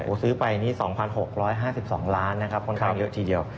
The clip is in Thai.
ผมซื้อไปนี่๒๖๕๒ล้านคนไปเยอะทีเดียว